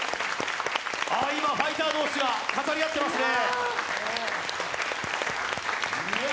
今、ファイター同士が語り合っていますね。